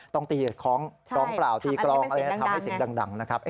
ต้องตีกระท้องเปล่าตีกรองทำให้เสียงดังนะครับ